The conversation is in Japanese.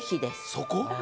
そこ？